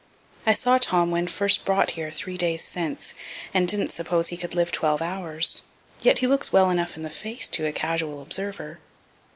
I saw Tom when first brought here, three days since, and didn't suppose he could live twelve hours (yet he looks well enough in the face to a casual observer.)